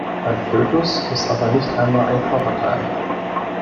Ein Fötus ist aber nicht einmal ein Körperteil.